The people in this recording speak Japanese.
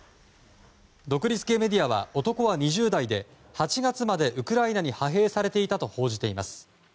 独立系メディアは男は２０代で８月までウクライナに派兵されていたと報じています。